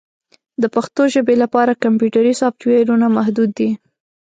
د پښتو ژبې لپاره کمپیوټري سافټویرونه محدود دي.